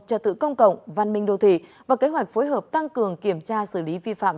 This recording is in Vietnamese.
trật tự công cộng văn minh đô thị và kế hoạch phối hợp tăng cường kiểm tra xử lý vi phạm